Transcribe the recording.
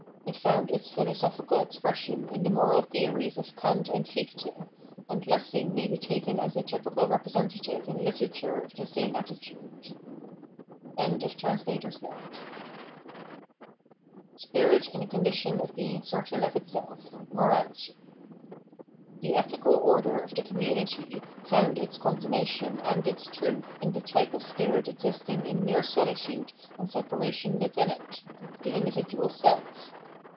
It found its philosophical expression in the moral theories of Kant and Fichte ; and Lessing may be taken as a typical representative in literature of the same attitude.] Spirit m the Condition of being Certain of Itself : Morality The ethical order of the commnaity found its con summation and its truth in the type of spirit existing in mere solitude and separation within it — the individual self.